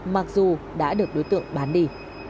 mặc dù đã được đối tượng bán đi